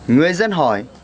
người dân hỏi